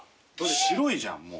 白いじゃんもう。